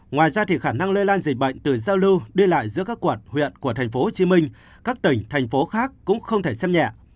ngoài ra khả năng lây lan dịch bệnh từ giao lưu đi lại giữa các quận huyện của thành phố hồ chí minh các tỉnh thành phố khác cũng không thể xem nhẹ